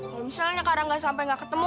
kayak misalnya kadang nggak sampai nggak ketemu